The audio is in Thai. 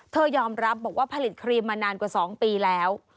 ยอมรับบอกว่าผลิตครีมมานานกว่า๒ปีแล้ว